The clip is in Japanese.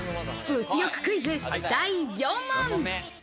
物欲クイズ第４問。